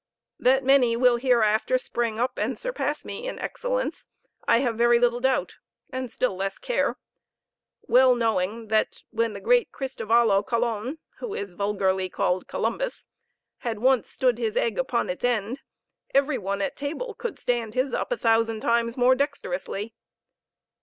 That many will hereafter spring up and surpass me in excellence I have very little doubt, and still less care; well knowing that, when the great Christovallo Colon (who is vulgarly called Columbus) had once stood his egg upon its end every one at table could stand his up a thousand times more dexterously.